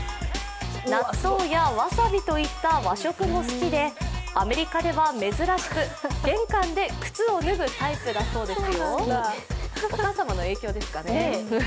納豆やわさびといった和食も好きでアメリカでは珍しく、玄関で靴を脱ぐタイプだそうですよ。